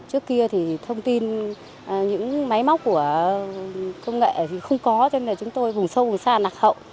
trước kia thì thông tin những máy móc của công nghệ thì không có cho nên là chúng tôi vùng sâu vùng xa nạc hậu